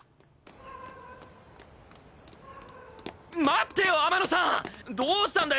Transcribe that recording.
待ってよ天野さん！